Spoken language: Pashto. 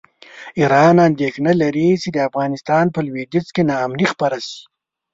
ایران اندېښنه لري چې د افغانستان په لویدیځ کې ناامني خپره شي.